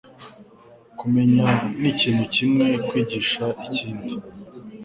Kumenya nikintu kimwe, kwigisha ikindi.